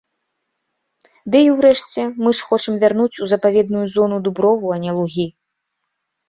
Ды й, урэшце, мы ж хочам вярнуць ў запаведную зону дуброву, а не лугі.